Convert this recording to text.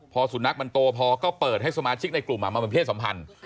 พอสุนัขมันโตพอก็เปิดให้สมาชิกในกลุ่มมาเป็นเพศสัมพันธ์